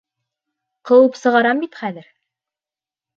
Ҡыуып сығарам бит хәҙер!